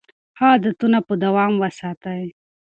ښه عادتونه په دوام وساتئ.